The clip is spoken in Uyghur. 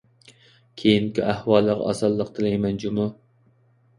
كېيىنكى ئەھۋالىغا ئاسانلىق تىلەيمەن جۇمۇ!